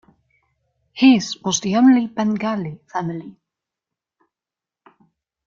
His was the only Bengali family.